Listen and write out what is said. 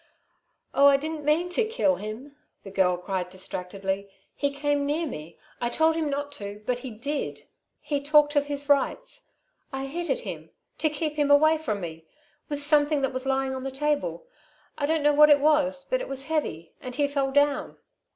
"Oh, I didn't mean to kill him," the girl cried distractedly. "He came near me. I told him not to, but he did. He talked of his rights. I hit at him ... to keep him away from me ... with something that was lying on the table. I don't know what it was, but it was heavy and he fell down.